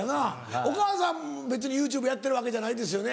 お母さん別にＹｏｕＴｕｂｅやってるわけじゃないですよね？